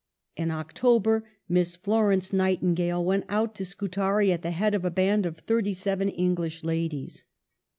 In October, Miss Florence Nightin gale went out to Scutari at the head of a band of thirty seven English ladies.